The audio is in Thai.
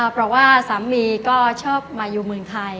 เพราะว่าสามีก็ชอบมาอยู่เมืองไทย